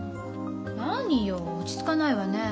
何よ落ち着かないわね。